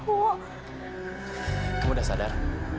kamu udah sadar